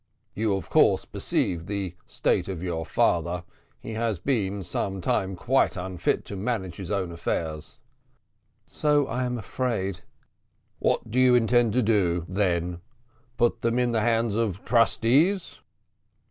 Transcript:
"You, of course, perceive the state of your father. He has been some time quite unfit to manage his own affairs." "So I am afraid." "What do you intend to do then put them in the hands of trustees?"